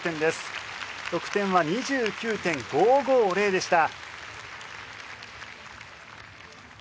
得点は２９．５５０でした。